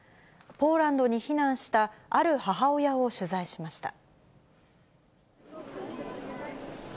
ポーランドに避難した、ある母親を取材しました。